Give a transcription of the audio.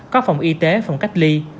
có phòng y tế phòng cách ly